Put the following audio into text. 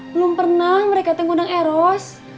belum pernah mereka tengah undang eros